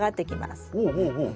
ほうほうほう。